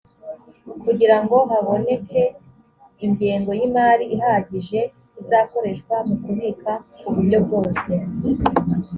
kugira ngo haboneke ingengo y imari ihagije izakoreshwa mu kubika ku buryo bwose